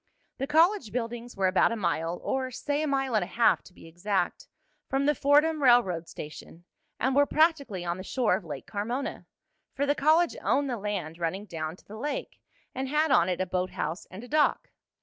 The college buildings were about a mile, or, say a mile and a half to be exact, from the Fordham railroad station, and were practically on the shore of Lake Carmona, for the college owned the land running down to the lake, and had on it a boathouse and a dock.